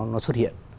nó xuất hiện